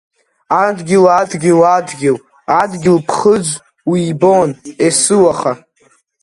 Адгьыл, адгьыл адгьыл, Адгьыл ԥхыӡ уибон ес-уаха.